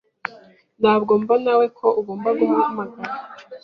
Ntabwo mbonawe ko ugomba guhamagara .